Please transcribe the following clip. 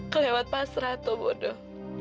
kelewat pasrah atau bodoh